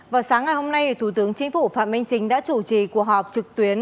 vào sáng ngày hôm nay thủ tướng chính phủ phạm minh chính đã chủ trì cuộc họp trực tuyến